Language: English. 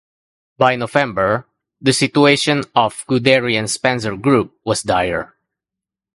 By November, the situation of Guderian's Panzer Group was dire.